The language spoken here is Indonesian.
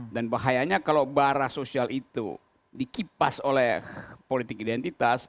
dan bahayanya kalau barah sosial itu dikipas oleh politik identitas